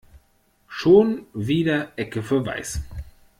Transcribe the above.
Schon wieder Ecke für weiß.